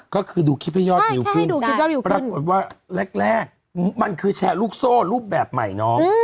ก็คือดูคลิปให้ยอดวิวขึ้นยอดวิวปรากฏว่าแรกมันคือแชร์ลูกโซ่รูปแบบใหม่น้อง